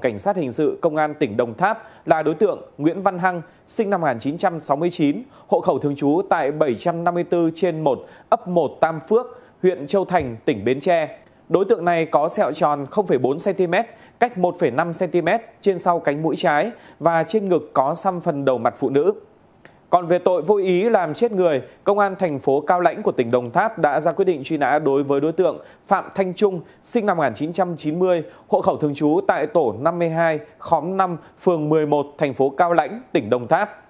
cảnh sát hình sự công an tỉnh đồng tháp là đối tượng nguyễn văn hăng sinh năm một nghìn chín trăm chín mươi hai khóm năm phường một mươi một thành phố cao lãnh tỉnh đồng tháp